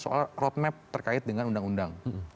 soal roadmap terkait dengan undang undang